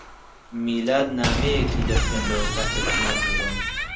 میلاد نامەیەکی دەخوێندەوە کاتێک چوومە ژوورەوە.